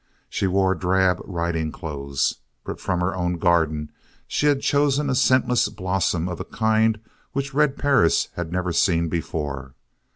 She wore drab riding clothes. But from her own garden she had chosen a scentless blossom of a kind which Red Perris had never seen before.